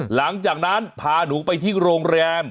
หลังจากนั้นพาหนูไปที่โรงแรม